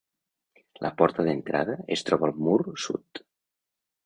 La porta d'entrada es troba al mur sud.